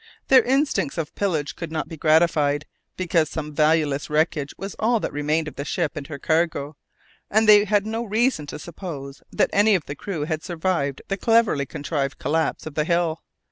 Their instincts of pillage could not be gratified, because some valueless wreckage was all that remained of the ship and her cargo, and they had no reason to suppose that any of the crew had survived the cleverly contrived collapse of the hill.